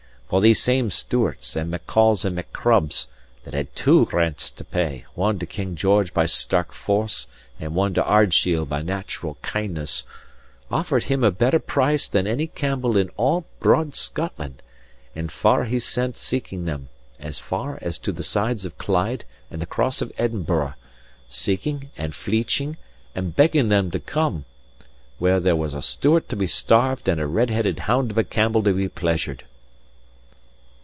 For these same Stewarts, and Maccolls, and Macrobs (that had two rents to pay, one to King George by stark force, and one to Ardshiel by natural kindness) offered him a better price than any Campbell in all broad Scotland; and far he sent seeking them as far as to the sides of Clyde and the cross of Edinburgh seeking, and fleeching, and begging them to come, where there was a Stewart to be starved and a red headed hound of a Campbell to be pleasured!"